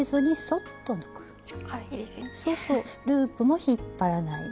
そうそうループも引っ張らない。